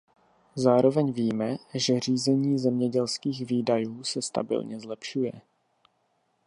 Zároveň víme, že řízení zemědělských výdajů se stabilně zlepšuje.